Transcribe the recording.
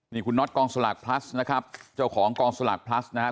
นี่คุณน็อตกองสลากพลัสนะครับเจ้าของกองสลากพลัสนะครับ